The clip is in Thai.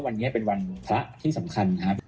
วันนี้เป็นวันพระที่สำคัญครับ